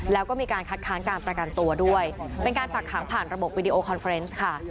แล้วก็มีการคัดค้านการประกันตัวด้วยเป็นการฝากขังผ่านระบบวิดีโอคอนเฟรนซ์ค่ะ